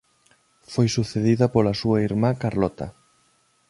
Foi sucedida pola súa irmá Carlota.